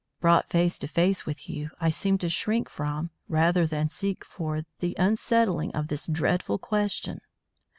Brought face to face with you, I seemed to shrink from, rather than seek for, the settling of this dreadful question.